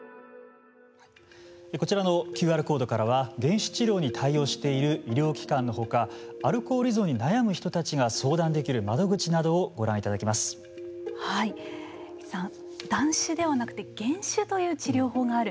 こちらのＱＲコードからは減酒治療に対応している医療機関のほかアルコール依存に悩む人たちが相談できる断酒ではなくて減酒という治療法がある。